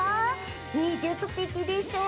芸術的でしょ？